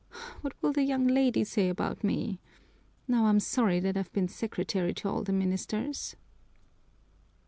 What will the young lady say about me? Now I'm sorry that I've been secretary to all the ministers!"